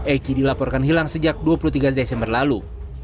eki dilaporkan hilang sejak dua puluh tiga desember lalu